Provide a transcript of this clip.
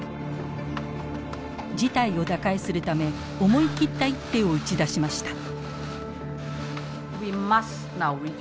事態を打開するため思い切った一手を打ち出しました。